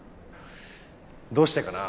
どうしてかな？